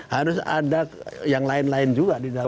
harus ada yang lain lain juga di dalam